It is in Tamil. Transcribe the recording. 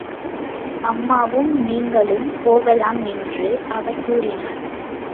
அம்மாவும் நீங்களும் போகலாம் என்று அவர் கூறினார்.